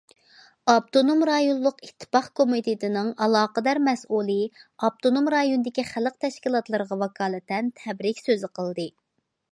ئاپتونوم رايونلۇق ئىتتىپاق كومىتېتىنىڭ ئالاقىدار مەسئۇلى ئاپتونوم رايوندىكى خەلق تەشكىلاتلىرىغا ۋاكالىتەن تەبرىك سۆزى قىلدى.